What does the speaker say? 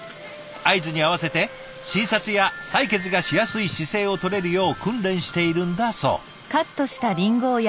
合図に合わせて診察や採血がしやすい姿勢をとれるよう訓練しているんだそう。